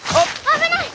危ない！